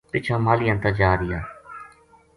پِچھاں ماہلیاں تا جارہیا